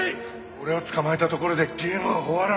俺を捕まえたところでゲームは終わらねえ。